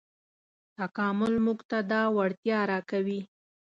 تکامل موږ ته دا وړتیا راکوي.